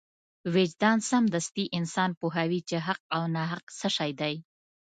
وجدان سمدستي انسان پوهوي چې حق او ناحق څه شی دی.